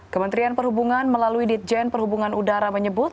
kementerian perhubungan melalui ditjen perhubungan udara menyebut